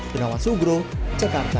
denawan sugro jakarta